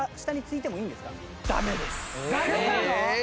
ダメなの！？